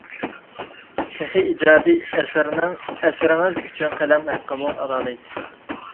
تېخى ئىجادىي ئەسىرىڭىز ئۈچۈن قەلەم ھەققىمۇ ئالالايسىز.